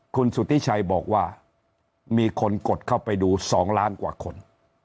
คุณสุธิชัยบอกว่ามีคนกดเข้าไปดู๒ล้านกว่าคน